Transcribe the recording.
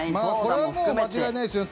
これはもう間違いないですよね。